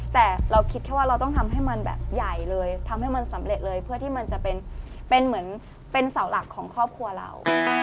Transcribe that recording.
แต่เราคิดแค่ว่าเราต้องทำให้มันแบบใหญ่เลยทำให้มันสำเร็จเลยเพื่อที่มันจะเป็นเหมือนเป็นเสาหลักของครอบครัวเรา